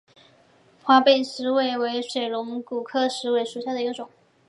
华北石韦为水龙骨科石韦属下的一个种。